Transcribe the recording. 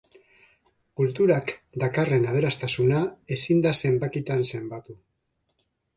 Kulturak dakarren aberastasuna ezin da zenbakitan zenbatu.